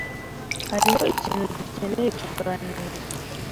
Hariho ikintu dukeneye kuganira.